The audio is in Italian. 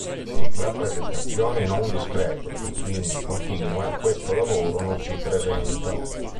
In rappresentazioni non discrete, e quindi continue, questo lavoro non si presenta.